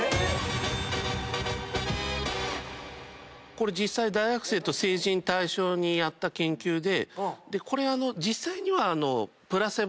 これ実際大学生と成人対象にやった研究で。